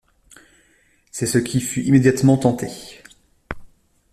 C’est ce qui fut immédiatement tenté.